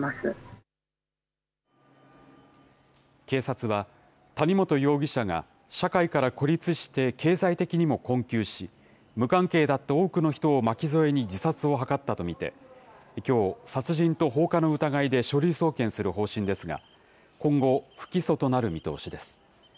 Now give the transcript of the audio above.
警察は、谷本容疑者が社会から孤立して経済的にも困窮し、無関係だった多くの人を巻き添えに自殺を図ったと見て、きょう、殺人と放火の疑いで書類送検する方針ですが、今後、不起訴となる見通しです。